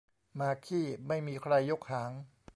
หมาขี้ไม่มีใครยกหาง